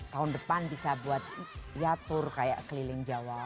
tahun depan bisa buat ya tur kayak keliling jawa